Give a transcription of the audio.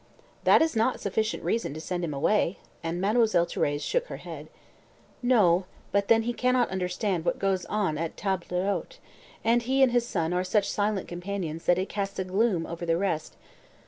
"That is not sufficient reason to send him away;" and Mademoiselle Thérèse shook her head. "No. But then he cannot understand what goes on at table d'hôte, and he and his son are such silent companions that it casts a gloom over the rest.